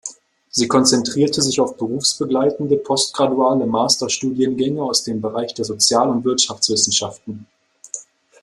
Sie konzentrierte sich auf berufsbegleitende, postgraduale Master-Studiengänge aus dem Bereich der Sozial- und Wirtschaftswissenschaften.